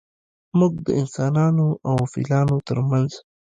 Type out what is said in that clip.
موږ د انسانانو او فیلانو ترمنځ